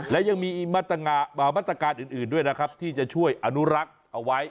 และยังมีมาตรการอื่นด้วยนะครับที่จะช่วยอนุรักษ์เอาไว้